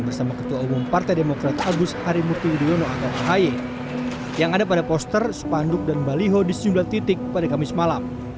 bersama ketua umum partai demokrat agus harimurti yudhoyono atau ahy yang ada pada poster spanduk dan baliho di sejumlah titik pada kamis malam